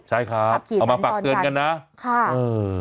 ใช่ค่ะเอามาฝากเตือนกันนะคับขี่กันตอนกันอืม